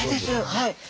はい。